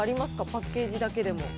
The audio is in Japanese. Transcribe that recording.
パッケージだけでも。